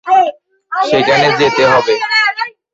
সেখানে যেতে হবে।